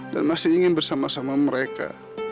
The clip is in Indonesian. dan masih ingin bersama sama mereka